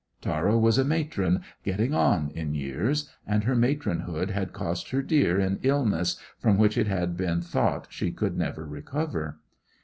Tara was a matron getting on in years, and her matronhood had cost her dear in illness from which it had been thought she could never recover.